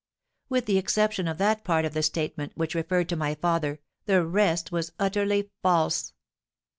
With the exception of that part of the statement which referred to my father, the rest was utterly false.